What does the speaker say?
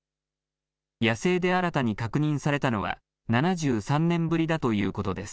野生で新たに確認されたのは７３年ぶりだということです。